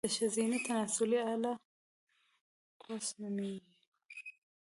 د ښځينه تناسلي اله، کوس نوميږي